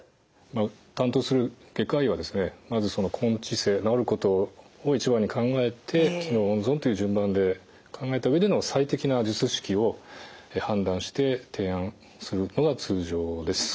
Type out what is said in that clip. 担当する外科医はまず根治性治ることを一番に考えて機能を温存という順番で考えた上での最適な術式を判断して提案するのが通常です。